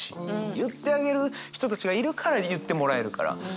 言ってあげる人たちがいるから言ってもらえるから。